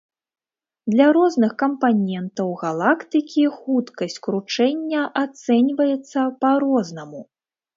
Для розных кампанентаў галактыкі хуткасць кручэння ацэньваецца па-рознаму.